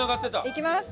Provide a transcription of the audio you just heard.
いきます！